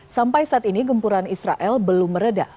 sampai saat ini gempuran israel belum meredah